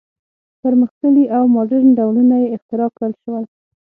پرمختللي او ماډرن ډولونه یې اختراع کړل شول.